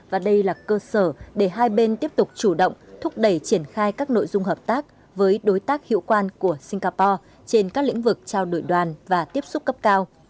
và đây là cơ sở để hai bên tiếp tục chủ động thúc đẩy triển khai các nội dung hợp tác với đối tác hiệu quan của singapore trên các lĩnh vực trao đổi đoàn và tiếp xúc cấp cao